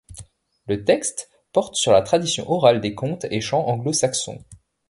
Le texte porte sur la tradition orale des contes et chants anglo-saxons.